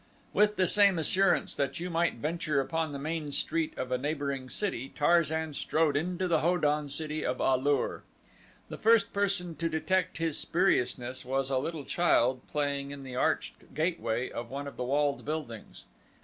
With the same assurance that you might venture upon the main street of a neighboring city Tarzan strode into the Ho don city of A lur. The first person to detect his spuriousness was a little child playing in the arched gateway of one of the walled buildings.